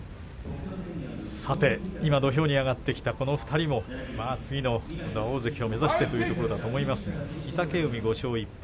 今土俵に上がってきたこの２人も次の大関を目指すところだと思いますが御嶽海５勝１敗